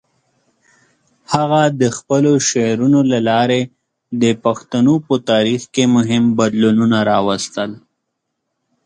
هغه د خپلو شعرونو له لارې د پښتنو په تاریخ کې مهم بدلونونه راوستل.